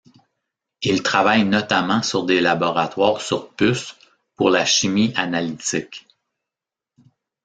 Il travaille notamment sur des laboratoires sur puce pour la chimie analytique.